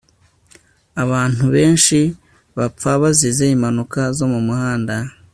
abantu benshi bapfa bazize impanuka zo mumuhanda